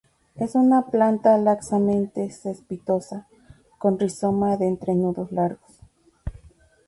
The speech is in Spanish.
Es una planta laxamente cespitosa, con rizoma de entrenudos largos.